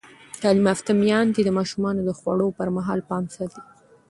تعلیم یافته میندې د ماشومانو د خوړو پر مهال پام ساتي.